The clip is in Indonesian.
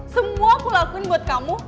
semua aku lakuin buat kamu